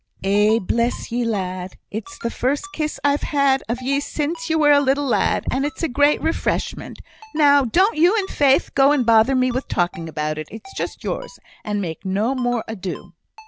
"Eh, bless ye, lad! It's the first kiss I've had of ye sin' ye were a little lad, and it's a great refreshment. Now don't you and Faith go and bother me with talking about it. It's just yours, and make no more ado."